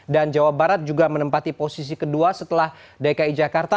dan jawa barat juga menempati posisi kedua setelah dki jakarta